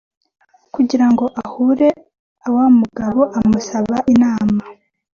kugira ngo ahure awamugabo amusaba inama